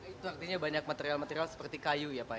itu artinya banyak material material seperti kayu ya pak ya